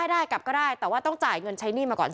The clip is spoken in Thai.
ได้กลับก็ได้แต่ว่าต้องจ่ายเงินใช้หนี้มาก่อน